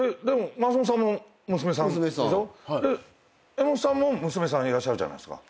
柄本さんも娘さんいらっしゃるじゃないですか。